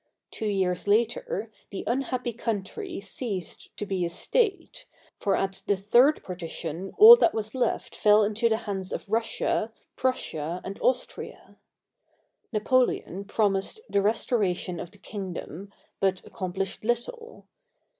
Two years later, the unhappy country ceased to be a state, for at the Third Par tition all that was left fell into the hands of Russia, Prussia, and Austria. Napoleon promised the restoration of the king dom, but accomplished little.